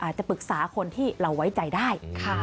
จะปรึกษาคนที่เราไว้ใจได้